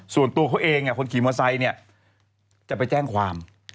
ส่วนตัวเขาเองคนขี่มอเตอร์ไซค์จะไปแจ้งความ